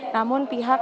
namun pihak berpikir